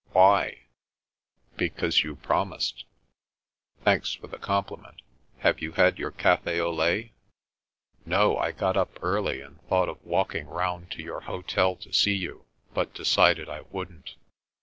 "Why?" " Because you promised." "Thanks for the compliment. Have you had your cafe au laitf '*" No. I got up early, and thought of walking round to your hotel' to see you, but decided I wouldn't."